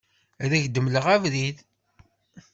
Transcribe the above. Ad ak-d-mleɣ abrid.